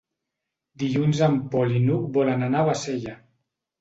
Dilluns en Pol i n'Hug volen anar a Bassella.